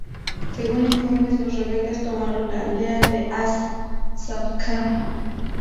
Según informes, los rebeldes tomaron la aldea de As-Sabkhah.